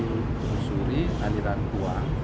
mengusuri aliran uang